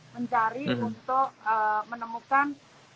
mencari untuk menemukan